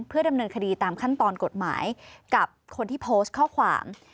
เพื่อดำเนินคดีตามขั้นตอนกฎหมายกับคนที่โพสต์ข้อความ